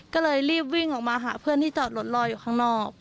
ก็เลยรีบวิ่งออกมาหาเพื่อนที่จอดรถรออยู่ข้างนอก